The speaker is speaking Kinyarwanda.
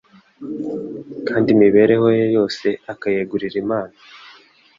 kandi imibereho ye yose akayegurira Imana.